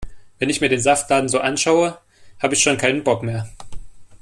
Wenn ich mir den Saftladen so anschaue, hab' ich schon keinen Bock mehr.